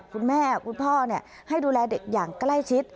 คุณพ่อคุณพ่อให้ดูแลเด็กอย่างใกล้ชิด